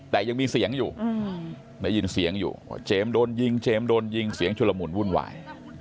แต่ยังมีเสียงอยู่เจมส์โดนยิงเจมส์โดนยิงเสียงชุระหมุนวุ่นวาย